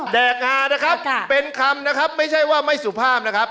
แกกงานะครับเป็นคำนะครับไม่ใช่ว่าไม่สุภาพนะครับ